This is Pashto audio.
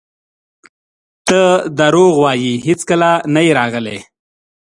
ته درواغ وایې هیڅکله نه یې راغلی!